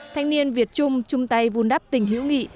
thanh niên việt trung chung tay vun đắp tình hiểu nghị